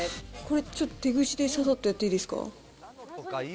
ちょっと手ぐしでささっとやっていいですか。